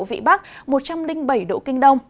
vị bắc một trăm linh bảy độ kinh đông